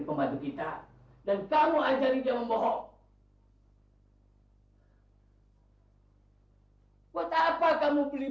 bagaimana kamu akan memulai hidup yang seperti ini